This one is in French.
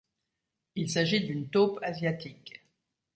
Il s'agit d'une taupe asiatique.